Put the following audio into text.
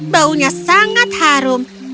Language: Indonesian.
baunya sangat harum